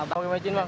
pakai mecin bang